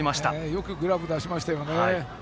よくグラブ出しましたね。